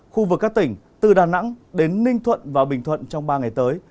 khu vực các tỉnh từ đà nẵng đến ninh thuận và bình thuận trong ba ngày tới